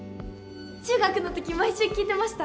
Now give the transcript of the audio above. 中学の時毎週聴いてました。